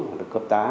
hoặc là cấp tá